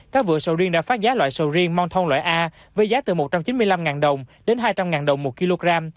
các vựa sầu riêng đã phát giá loại sầu riêng monthon loại a với giá từ một trăm chín mươi năm đồng đến hai trăm linh đồng một kg